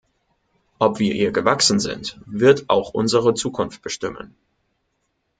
Ob wir ihr gewachsen sind, wird auch unsere Zukunft bestimmen.